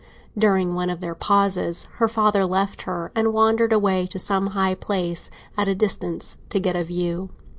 During one of their pauses, her father left her and wandered away to some high place, at a distance, to get a view.